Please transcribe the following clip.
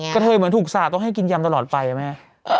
ก็เธอเหมือนทุกษาต้องให้กินยำตลอดไปอะแม่